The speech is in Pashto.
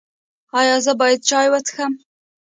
ایا زه باید چای وڅښم؟